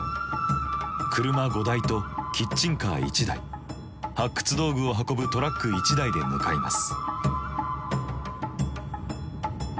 車５台とキッチンカー１台発掘道具を運ぶトラック１台で向かいます。